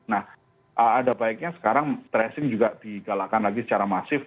nah ada baiknya sekarang tracing juga digalakkan lagi secara masif